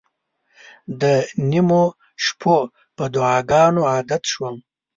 د نیمو شپو په دعاګانو عادت شوم.